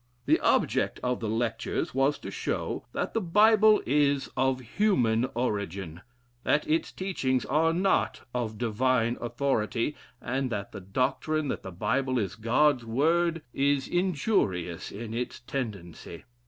The object of the lectures was to show that the Bible is of human origin, that its teachings are not of divine authority, and that the doctrine that the Bible is God's word is injurious in its tendency.